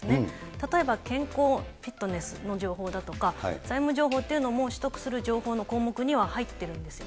例えば、健康、フィットネスの情報だとか、財務情報というのも取得する情報の項目に入ってるんですよ。